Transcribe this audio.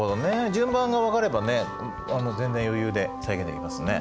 順番が分かればね全然余裕で再現できますね。